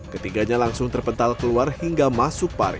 ketiganya langsung terpental keluar hingga masuk pari